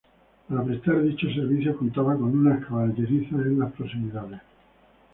Para prestar dichos servicios, contaba con unas caballerizas en las proximidades.